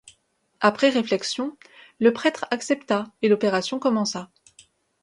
Après réflexion, le prêtre accepta et l'opération commença.